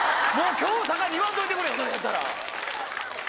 今日を境に言わんといてくれそれやったら。